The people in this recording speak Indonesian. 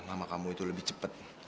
nama kamu itu lebih cepat